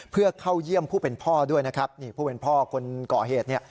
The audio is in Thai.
เพื่อเข้าเยี่ยมผู้เป็นพ่อด้วยนะครับนี่ผู้เป็นพ่อคนก่อเหตุเนี่ย